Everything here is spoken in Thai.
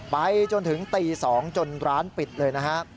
ไปจนถึงตี๒จนร้านปิดเลยนะฮะ